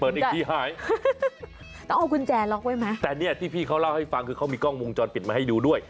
อีกทีหายต้องเอากุญแจล็อกไว้ไหมแต่เนี่ยที่พี่เขาเล่าให้ฟังคือเขามีกล้องวงจรปิดมาให้ดูด้วย